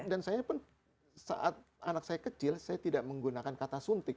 dan saya pun saat anak saya kecil saya tidak menggunakan kata suntik